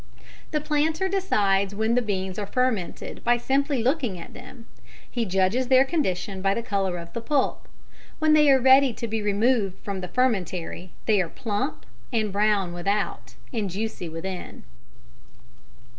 ] The planter decides when the beans are fermented by simply looking at them; he judges their condition by the colour of the pulp. When they are ready to be removed from the fermentary they are plump, and brown without, and juicy within.